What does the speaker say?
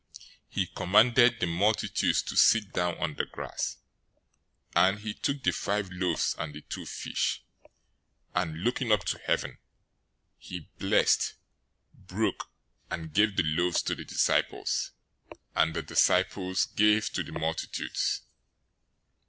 014:019 He commanded the multitudes to sit down on the grass; and he took the five loaves and the two fish, and looking up to heaven, he blessed, broke and gave the loaves to the disciples, and the disciples gave to the multitudes.